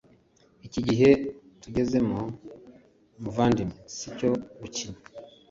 iki gihe tugezemo, muvandimwe sicyo gukina